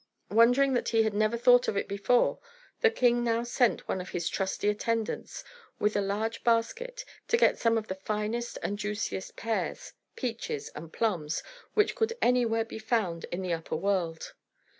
Wondering that he had never thought of it before, the king now sent one of his trusty attendants, with a large basket, to get some of the finest and juiciest pears, peaches and plums which could anywhere be found in the upper world.